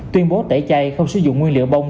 tuyên bố tẩy chay không sử dụng nguyên liệu bông